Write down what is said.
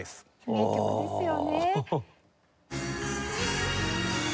名曲ですよね。